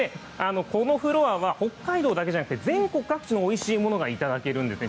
このフロアは北海道だけじゃなくて、全国各地のおいしいものが頂けるんですね。